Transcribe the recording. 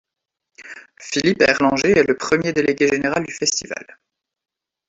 Philippe Erlanger est le premier délégué général du Festival.